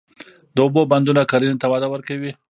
د اوبو بندونه کرنې ته وده ورکوي.